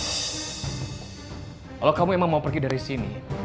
kalau kamu memang mau pergi dari sini